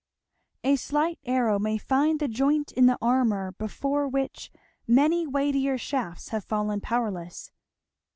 A slight arrow may find the joint in the armour before which many weightier shafts have fallen powerless.